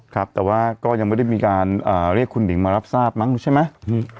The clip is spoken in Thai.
ครับแต่ว่าก็ยังไม่ได้มีการเรียกคุณหิงมารับทราบมั้งใช่ไหม